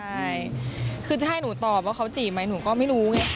ใช่คือจะให้หนูตอบว่าเขาจีบไหมหนูก็ไม่รู้ไง